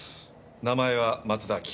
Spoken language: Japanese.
名前は松田亜紀。